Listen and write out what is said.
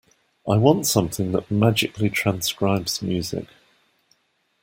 I want something that magically transcribes music.